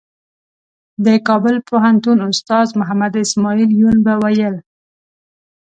د کابل پوهنتون استاد محمد اسمعیل یون به ویل.